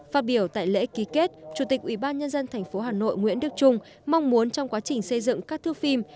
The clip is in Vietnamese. phát biểu tại lễ ký kết chủ tịch ủy ban nhân dân thành phố hà nội nguyễn đức trung mong muốn trong quá trình xây dựng các thư phim